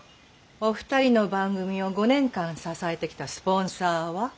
お二人の番組を５年間支えてきたスポンサーは？